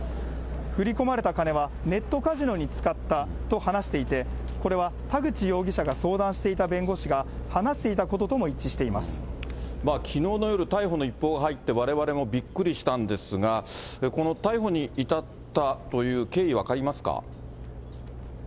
振り込まれた金はネットカジノに使ったと話していて、これは田口容疑者が相談していた弁護士が話していたこととも一致きのうの夜、逮捕の一報が入って、われわれもびっくりしたんですが、この逮捕に至ったという経緯、分かりますか。